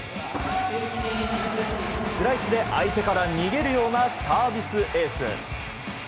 スライスで相手から逃げるようなサービスエース。